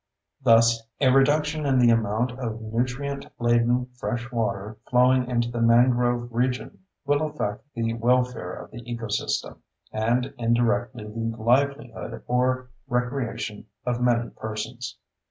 Thus, a reduction in the amount of nutrient laden fresh water flowing into the mangrove region will affect the welfare of the ecosystem, and indirectly the livelihood or recreation of many persons.